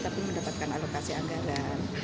tapi mendapatkan alokasi anggaran